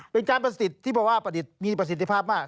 เป็นการประสิทธิ์ที่บอกว่าประดิษฐ์มีประสิทธิภาพมาก